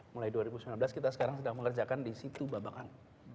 mulai dua ribu sembilan belas kita sekarang sedang mengerjakan di situ babakan